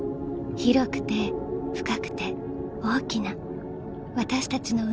［広くて深くて大きな私たちの海］